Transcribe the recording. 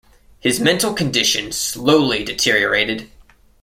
His mental condition slowly deteriorated.